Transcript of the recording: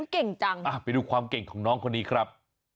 เก่งจังไปดูความเก่งของน้องคนนี้ครับ